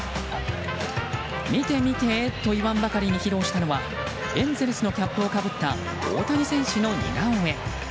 見て見てと言わんばかりに披露したのはエンゼルスのキャップをかぶった大谷選手の似顔絵。